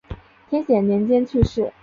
天显年间去世。